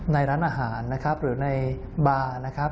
ในร้านอาหารนะครับหรือในบาร์นะครับ